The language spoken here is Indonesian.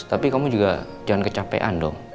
tapi kamu juga jangan kecapean dong